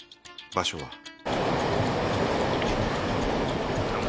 場所は。